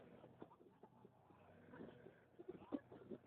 车上的外科医师哈里兹宣称凯莉是因为受到脑震荡而出现了幻觉。